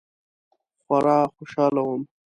خورا خوشحاله وم.